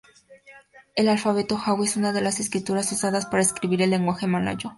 El alfabeto jawi es una de las escrituras usadas para escribir el lenguaje malayo.